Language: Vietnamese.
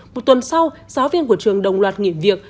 một tuần sau giáo viên của trường đồng loạt nghỉ việc